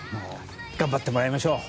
頑張ってもらいましょう！